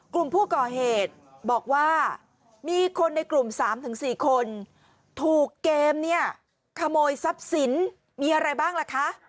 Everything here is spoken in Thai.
กลุ่มผู้ก่อเหตุบอกว่ามีคนในกลุ่ม๓๔คนถูกเกมเนี่ยขโมยทรัพย์สินมีอะไรบ้างล่ะคะ